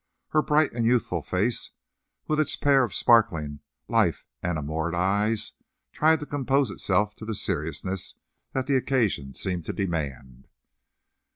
Her bright and youthful face, with its pair of sparkling, life enamoured eyes, tried to compose itself to the seriousness that the occasion seemed to demand.